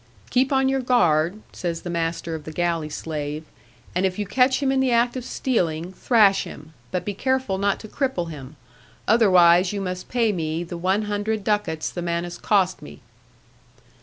"Keep on your guard," says the master of the galley slave; "and if you catch him in the act of stealing, thrash him, but be careful not to cripple him; otherwise you must pay me the one hundred ducats the man has cost me."